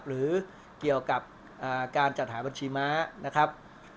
หรือเกี่ยวกับการจัดหาบัญชีม้านะครับ